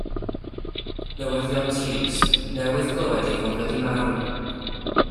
Newyddion trist, newydd glywed ei fod wedi marw.